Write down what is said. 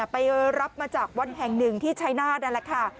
ไปรับมาจากวัดแห่งหนึ่งที่ชายนาฏนั่นแหละค่ะ